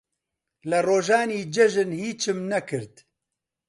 لە ڕۆژانی جەژن هیچم نەکرد.